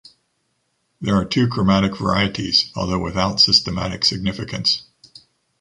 There are two chromatic varieties, although without systematic significance.